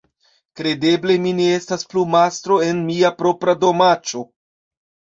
Kredeble, mi ne estas plu mastro en mia propra domaĉo!